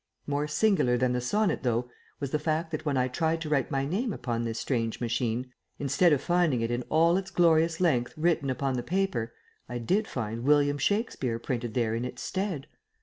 More singular than the sonnet, though, was the fact that when I tried to write my name upon this strange machine, instead of finding it in all its glorious length written upon the paper, I did find "William Shakespeare" printed there in its stead.